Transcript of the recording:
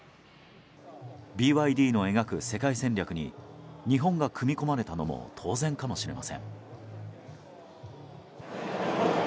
ＢＹＤの描く世界戦略に日本が組み込まれたのも当然かもしれません。